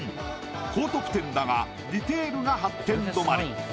高得点だがディテールが８点止まり。